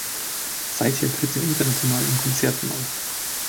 Seither tritt er international in Konzerten auf.